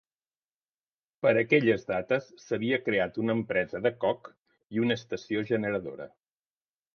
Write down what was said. Per aquelles dates s'havia creat una empresa de coc i una estació generadora.